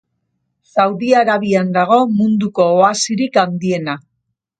Saudi Arabian dago munduko oasirik handiena.